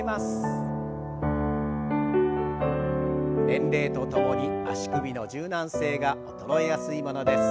年齢とともに足首の柔軟性が衰えやすいものです。